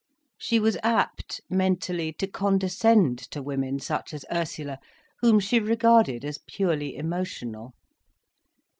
She was apt, mentally, to condescend to women such as Ursula, whom she regarded as purely emotional.